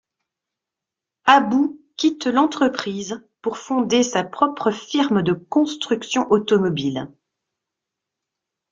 About quitte l'entreprise pour fonder sa propre firme de construction automobile.